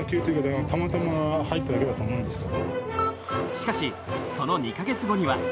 しかしその２カ月後には。